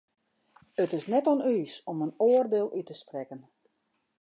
It is net oan ús om in oardiel út te sprekken.